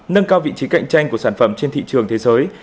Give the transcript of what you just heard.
nâng cao vị trí cạnh tranh của sản phẩm trên thị trường thế giới